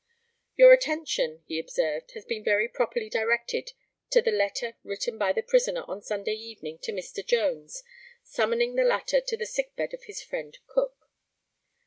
] Your attention, he observed, has been very properly directed to the letter written by the prisoner on Sunday evening to Mr. Jones, summoning the latter to the sick bed of his friend Cook.